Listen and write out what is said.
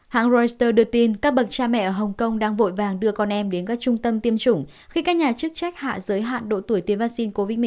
hãng reuters đưa tin các bậc cha mẹ ở hồng kông đang vội vàng đưa con em đến các trung tâm tiêm chủng khi các nhà chức trách hạ giới hạn độ tuổi tiêm vaccine covid một mươi chín